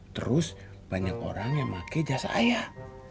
terus banyak orang yang pakai jasa ayah